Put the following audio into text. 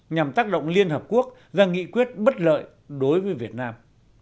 nhằm tác động liên hợp quốc ra nghị quyết bất lợi đối với việt nam